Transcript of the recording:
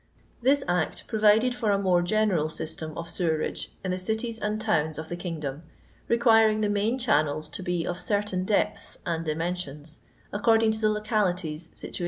This act provided for a more general system of sewerage in the cities and towns of the kingdom, requiring the main channels to be of certain depths and dimensions, according to the localities, situation, &c.